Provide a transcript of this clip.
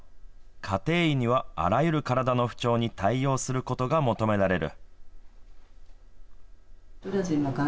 家庭医にはあらゆる体の不調に対応することが求められる。